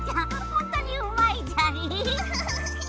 ほんとにうまいじゃり。